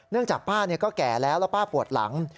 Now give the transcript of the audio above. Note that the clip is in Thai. จากป้าก็แก่แล้วแล้วป้าปวดหลัง